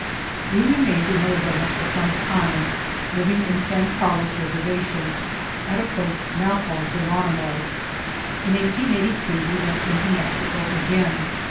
We remained in Ari jJ zona for some time, living in San Carlos Reservation, at a place now called Geron imo. In 1883 we went into Mexico again.